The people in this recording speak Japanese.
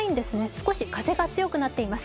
少し風が強くなっています。